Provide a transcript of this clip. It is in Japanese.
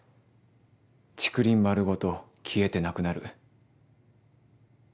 竹林丸ごと消えてなくなる。